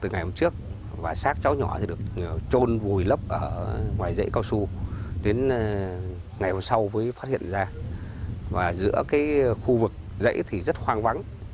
giấy thì rất hoang vắng